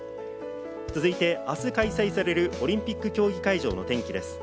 続いて明日開催されるオリンピック競技会場の天気です。